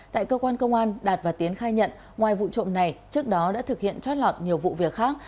tại cơ quan công an đạt và tiến khai nhận ngoài vụ trộm này trước đó đã thực hiện trót lọt nhiều vụ việc khác